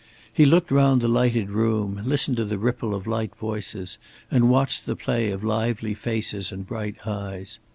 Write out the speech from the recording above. He looked round the lighted room, listened to the ripple of light voices, and watched the play of lively faces and bright eyes.